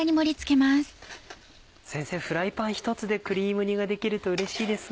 先生フライパンひとつでクリーム煮が出来るとうれしいですね。